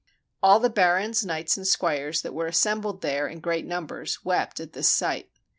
All the barons, knights, and squires that were assem bled there in great numbers, wept at this sight.